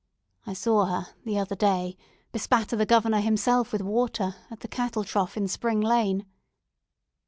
"I saw her, the other day, bespatter the Governor himself with water at the cattle trough in Spring Lane.